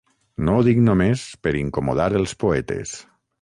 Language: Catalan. No ho dic només per incomodar els poetes.